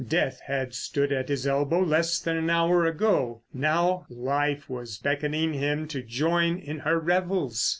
Death had stood at his elbow less than an hour ago. Now life was beckoning him to join in her revels.